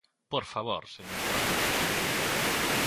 ¡Por favor, señor Palla!